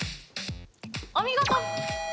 お見事！